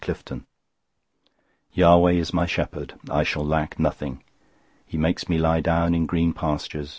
023:001 <> Yahweh is my shepherd: I shall lack nothing. 023:002 He makes me lie down in green pastures.